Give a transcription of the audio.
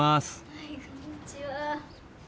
はいこんにちは。